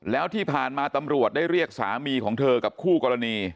แล้วที่ผ่านมาตำรวจได้เรียกสามีของเธอกับคู่กรณี